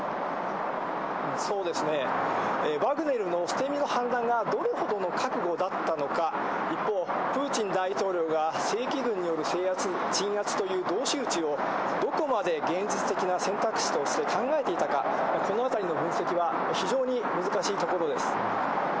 そうですね、ワグネルの捨て身の反乱が、どれほどの覚悟だったのか、一方、プーチン大統領が正規軍による制圧、鎮圧という同士討ちをどこまで現実的な選択肢として考えていたか、このあたりの分析は、非常に難しいところです。